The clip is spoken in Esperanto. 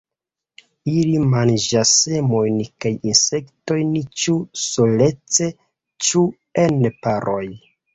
Ili manĝas semojn kaj insektojn ĉu solece ĉu en paroj.